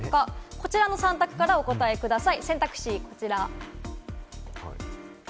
こちらの３択からお答えください。